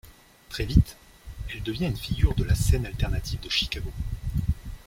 Très vite, elle devient une figure de la scène alternative de Chicago.